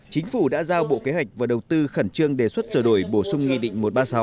chính phủ đã giao bộ kế hoạch và đầu tư khẩn trương đề xuất sửa đổi bổ sung nghị định một trăm ba mươi sáu